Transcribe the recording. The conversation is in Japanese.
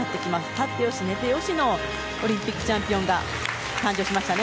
立って良し、寝て良しのオリンピックチャンピオンが誕生しましたね。